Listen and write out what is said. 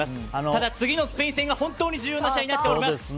ただ次のスペイン戦が本当に重要な試合になっています。